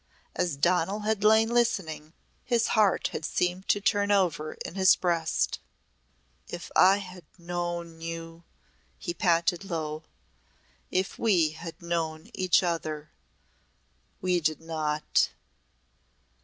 As Donal had lain listening his heart had seemed to turn over in his breast. "If I had known you!" he panted low. "If we had known each other! We did not!"